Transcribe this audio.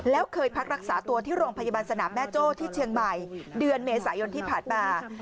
แล้วเคยพักรักษาตัวที่โรงพยาบาลสนามแม่โจ้ที่เชียงใหม่เดือนเมษายนที่ผ่านมา